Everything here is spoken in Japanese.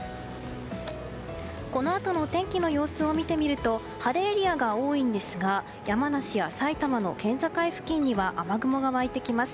このあと天気の様子を見てみると晴れエリアが多いんですが山梨や埼玉の県境付近には雨雲が湧いてきます。